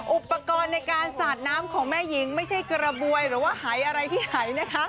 อุปกรณ์ในการสาดน้ำของแม่หญิงไม่ใช่กระบวยหรือว่าหายอะไรที่หายนะคะ